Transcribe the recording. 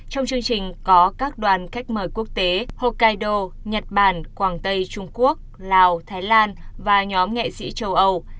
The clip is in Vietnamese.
trong chương trình có các đoàn khách mời quốc tế hokaido nhật bản quảng tây trung quốc lào thái lan và nhóm nghệ sĩ châu âu